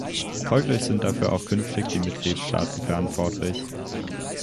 Folglich sind dafür auch künftig die Mitgliedstaaten verantwortlich.